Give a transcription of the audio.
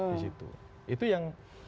disitu itu yang